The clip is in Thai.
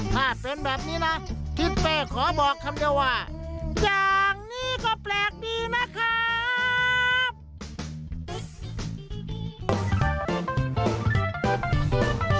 ถ้าเป็นแบบนี้นะทิศเป้ขอบอกคำเดียวว่าอย่างนี้ก็แปลกดีนะครับ